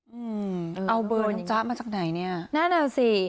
เหิมเอาเบอร์วนจ๋ามาจากไหนเนี่ยนั่นแล้วสิ